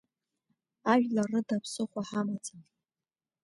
Ажәлар рыда ԥсыхәа ҳамаӡам.